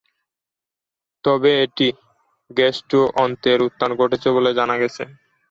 তবে এটি গ্যাস্ট্রো-অন্ত্রের উত্থান ঘটেছে বলে জানা গেছে।